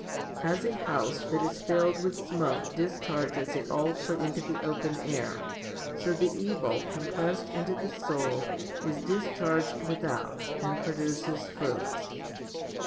As a house that is filled with smoke discharges it also into the open air, so the evil compressed into the soul is discharged without and produces fruits.